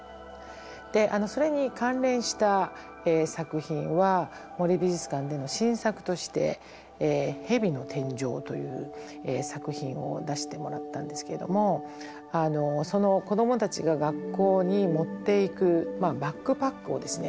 それに関連した作品は森美術館での新作として「蛇の天井」という作品を出してもらったんですけどもその子どもたちが学校に持っていくバックパックをですね